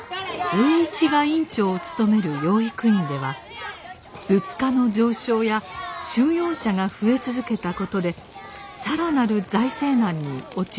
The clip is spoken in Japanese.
栄一が院長を務める養育院では物価の上昇や収容者が増え続けたことで更なる財政難に陥っていました。